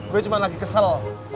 gue cuma lagi kesel